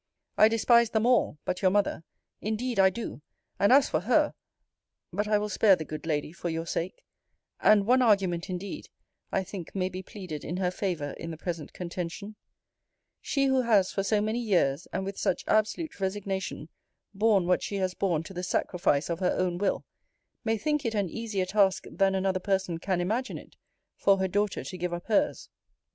I despise them all, but your mother: indeed I do: and as for her but I will spare the good lady for your sake and one argument, indeed, I think may be pleaded in her favour, in the present contention she who has for so many years, and with such absolute resignation, borne what she has borne to the sacrifice of her own will, may think it an easier task than another person can imagine it, for her daughter to give up hers.